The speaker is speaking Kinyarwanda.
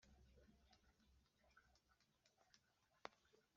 impamvu ifatika yo gukeka ko usaba